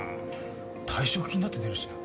退職金だって出るしな。